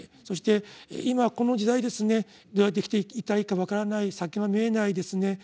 そして今この時代どうやって生きていったらいいか分からない先が見えないですね